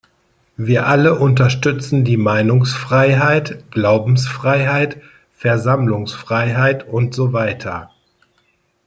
Wir alle unterstützen die Meinungsfreiheit, Glaubensfreiheit, Versammlungsfreiheit und so weiter.